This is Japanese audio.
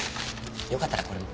よかったらこれも。